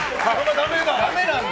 だめなんだ。